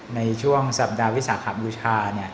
ในช่วงสัปดาห์วิสาหกรรมรุชา